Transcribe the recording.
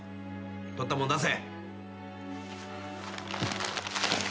取ったもん出せ。